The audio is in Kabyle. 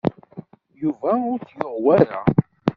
Yuba ur t-yuɣ wara.